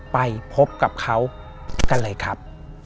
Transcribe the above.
ไปพบกับเขากันเลยครับ